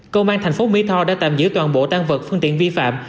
công an thành phố mỹ tho đã tạm giữ toàn bộ tan vật phương tiện vi phạm